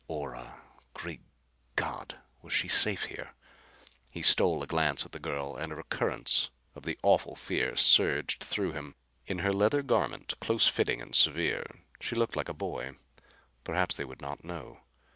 Ora! Great God, was she safe here? He stole a glance at the girl and a recurrence of the awful fear surged through him. In her leather garment, close fitting and severe, she looked like a boy. Perhaps they would not know.